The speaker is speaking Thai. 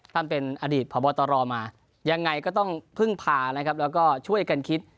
ตั้งเป็นอดีตพ่อบอสตรอมายังไงก็ต้องพึ่งพาแล้วก็ช่วยกันคิด